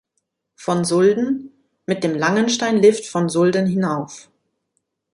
Von Sulden: Mit dem Langenstein-Lift von Sulden hinauf.